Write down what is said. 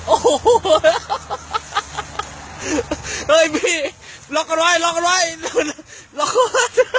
โอโหโอ้ยพี่ล่อกระไหร่ล่อกระไหร่ล่อล้อ